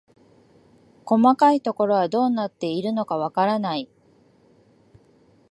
細かいところはどうなっているのかわからない